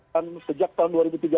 dan sejak tahun dua ribu tiga belas